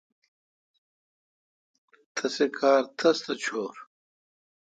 تسی کار تس تھ چور۔